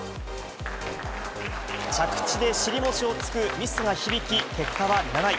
着地で尻餅をつくミスが響き、結果は７位。